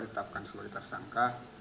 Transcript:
ditetapkan seluruh tersangka